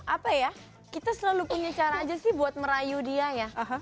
apa ya kita selalu punya cara aja sih buat merayu dia ya